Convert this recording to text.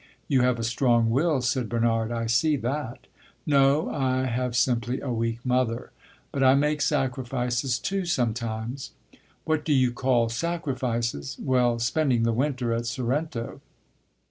"You have a strong will," said Bernard. "I see that." "No. I have simply a weak mother. But I make sacrifices too, sometimes." "What do you call sacrifices?" "Well, spending the winter at Sorrento."